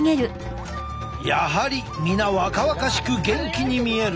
やはり皆若々しく元気に見える。